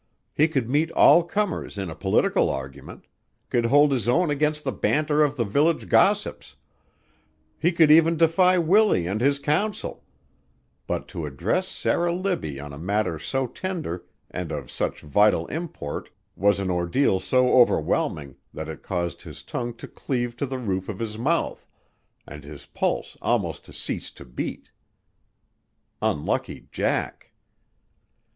He could meet all comers in a political argument, could hold his own against the banter of the village gossips; he could even defy Willie and his counsel; but to address Sarah Libbie on a matter so tender and of such vital import was an ordeal so overwhelming that it caused his tongue to cleave to the roof of his mouth, and his pulse almost to cease to beat. Unlucky Jack!